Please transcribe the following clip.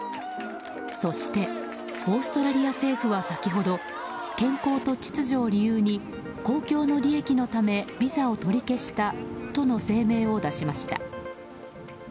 そして、オーストラリア政府は先ほど健康と秩序を理由に公共の利益のためにビザを取り消したとの声明を出しました。